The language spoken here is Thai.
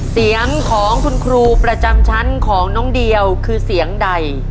เสียงของคุณครูประจำชั้นของน้องเดียวคือเสียงใด